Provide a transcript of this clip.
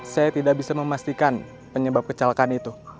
saya tidak bisa memastikan penyebab kecelakaan itu